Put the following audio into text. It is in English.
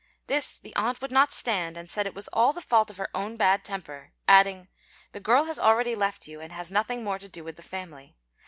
This the aunt would not stand, and said it was all the fault of her own bad temper, adding, "The girl has already left you, and has nothing more to do with the family.